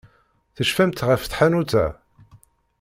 Tecfamt ɣef tḥanut-a?